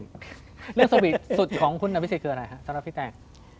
เรื่องสมบิตสุดของคุณนับวิสิทธิ์คืออะไรครับสำหรับพี่แตก